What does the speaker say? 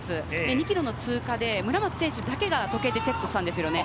２ｋｍの通過で村松選手だけが時計でチェックをしたんですよね。